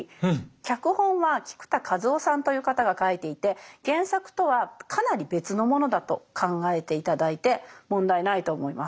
脚本は菊田一夫さんという方が書いていて原作とはかなり別のものだと考えて頂いて問題ないと思います。